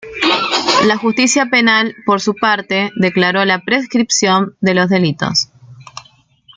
La justicia penal por su parte declaró la prescripción de los delitos.